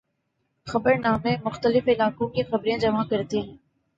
خبرنامے مختلف علاقوں کی خبریں جمع کرتے ہیں۔